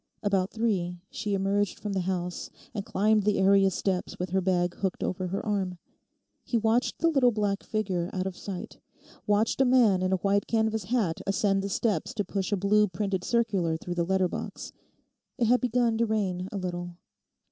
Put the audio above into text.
About three she emerged from the house and climbed the area steps with her bag hooked over her arm. He watched the little black figure out of sight, watched a man in a white canvas hat ascend the steps to push a blue printed circular through the letter box. It had begun to rain a little.